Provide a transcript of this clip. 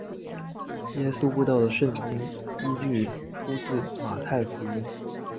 耶稣步道的圣经依据出自马太福音。